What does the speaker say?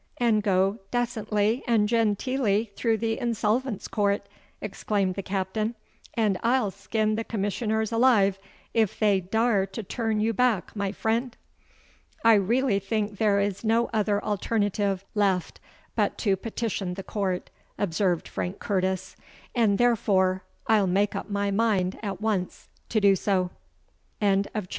and go dacently and genteelly through the Insolvents' Court," exclaimed the captain; "and I'll skin the Commissioners alive if they dar r to turn you back, my frind!" "I really think there is no other alternative left but to petition the Court," observed Frank Curtis; "and therefore I'll make up my mind at once to do so." CHAPTER CIX.